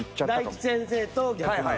大吉先生と逆？